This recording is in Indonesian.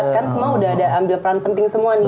kan semua udah ada ambil peran penting semua nih